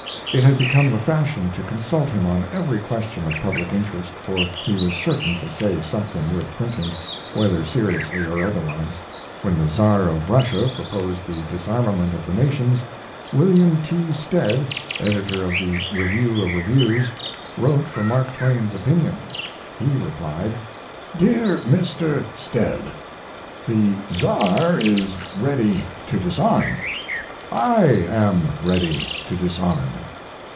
It had become the fashion to consult him on every question of public interest, for he was certain to say something worth printing, whether seriously or otherwise. When the Tsar of Russia proposed the disarmament of the nations William T. Stead, editor of the Review of Reviews, wrote for Mark Twain's opinion. He replied: DEAR MR. STEADY, The Tsar is ready to disarm. I am ready to disarm.